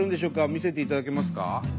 見せていただけますか？